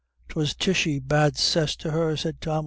"'Twas Tishy bad cess to her," said Tom.